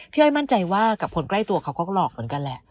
อ้อยมั่นใจว่ากับคนใกล้ตัวเขาก็หลอกเหมือนกันแหละ